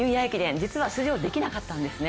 実は出場できなかったんですね。